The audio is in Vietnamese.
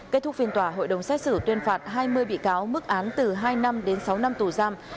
kết thúc phiên tòa hội đồng xét xử tuyên phạt hai mươi bị cáo mức án từ hai năm đến sáu năm tù giam